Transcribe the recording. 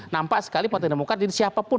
nampak sekali partai demokrat jadi siapapun